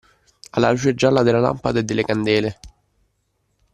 Alla luce gialla della lampada e delle candele.